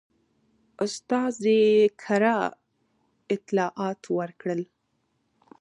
استازي کره اطلاعات ورکړل.